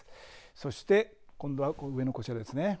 そして、上のこちらですね。